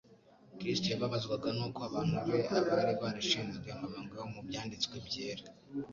Kristo yababazwaga nuko abantu be, abari barashinzwe amabanga yo mu Byanditswe Byera